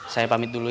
saya pamit dulu ya